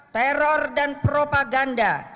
teror dan propaganda